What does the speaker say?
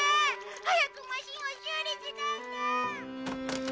早くマシンを修理しなきゃ。